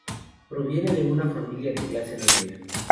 Proviene de una familia de clase media.